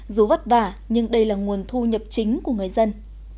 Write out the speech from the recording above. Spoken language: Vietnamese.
dù vất vả nhưng đây là nguồn thu nhập chính của người dân